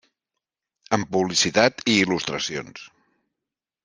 Amb publicitat i il·lustracions.